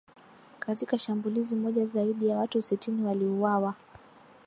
Katika shambulizi moja zaidi ya watu sitini waliuawa